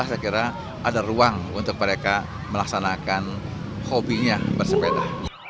saya kira ada ruang untuk mereka melaksanakan hobinya bersepeda